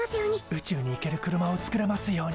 宇宙に行ける車を作れますように！